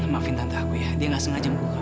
maafin tante aku ya dia nggak sengaja membuka